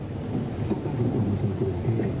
ก็ต้องมาถึงจุดตรงนี้ก่อนใช่ไหม